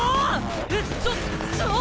えっちょっちょっ！